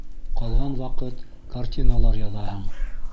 Ҡалған ваҡыт картиналар яҙаһың.